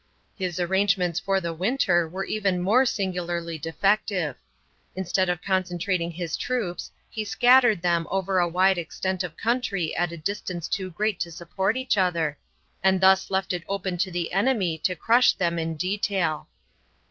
His arrangements for the winter were even more singularly defective. Instead of concentrating his troops he scattered them over a wide extent of country at a distance too great to support each other, and thus left it open to the enemy to crush them in detail.